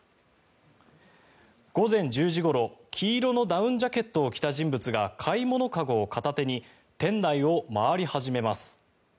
午前１０時ごろ、黄色のダウンジャケットを着た人物が買い物籠を片手に店内を回り始めます。